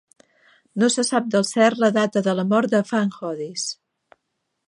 No se sap del cert la data de la mort de van Hoddis.